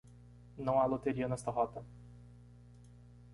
Não há loteria nesta rota.